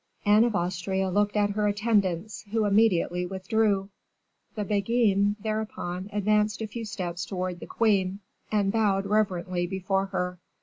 Anne of Austria looked at her attendants, who immediately withdrew. The Beguine, thereupon, advanced a few steps towards the queen, and bowed reverently before her.